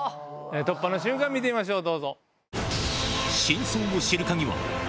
突破の瞬間見てみましょう。